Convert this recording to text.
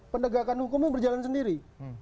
pendegakan hukumnya berjalan sendiri